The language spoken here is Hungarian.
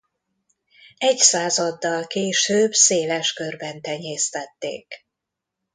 Egy századdal később széles körben tenyésztették.